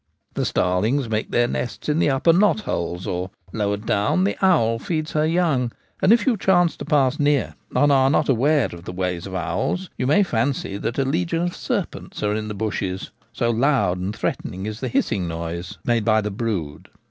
The starlings make their nests in the upper knot holes ; or, lower down, the owl feeds her young ; and if you chance to pass near, and are not aware of the ways of owls, you may fancy that a legion of serpents are in the bushes, so loud and threatening is the hissing noise made by the brood.